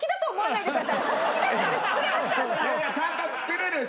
いやいやちゃんと作れるし。